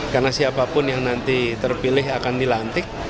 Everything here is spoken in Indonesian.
karena siapapun yang nanti terpilih akan dilantik